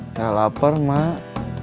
nggak lapar mak